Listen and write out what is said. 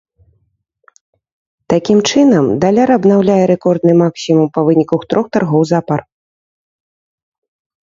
Такім чынам даляр абнаўляе рэкордны максімум па выніках трох таргоў запар.